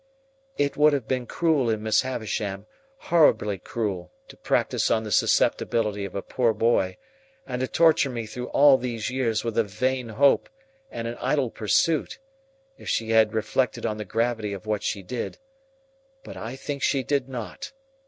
"It would have been cruel in Miss Havisham, horribly cruel, to practise on the susceptibility of a poor boy, and to torture me through all these years with a vain hope and an idle pursuit, if she had reflected on the gravity of what she did. But I think she did not.